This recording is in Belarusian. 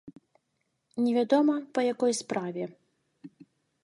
Невядома, па якой справе.